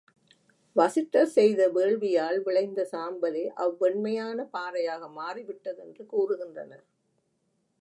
வசிட்டர் செய்த வேள்வியால் விளைந்த சாம்பலே அவ் வெண்மையான பாறையாக மாறிவிட்டதென்று கூறுகின்றனர்.